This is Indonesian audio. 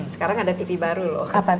sekarang ada tv baru loh